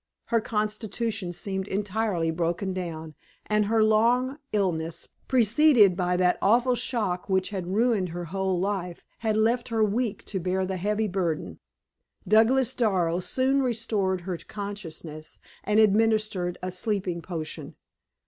Her constitution seemed entirely broken down, and her long illness, preceded by that awful shock which had ruined her whole life, had left her weak to bear the heavy burden. Douglas Darrow soon restored her to consciousness, and administered a sleeping potion.